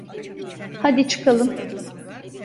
Hadi çıkalım.